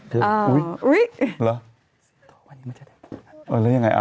เทพพระเจ้าแห่งความรักเทพพระเจ้าแห่งความรัก